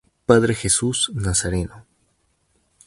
Padre Jesús Nazareno.